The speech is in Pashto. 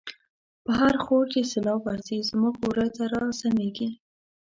په هرخوړ چی سیلاب وزی، زمونږ وره ته را سمیږی